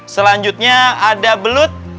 selanjutnya ada belut